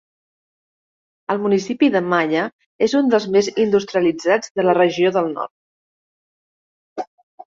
El municipi de Maia és un dels més industrialitzats de la regió del nord.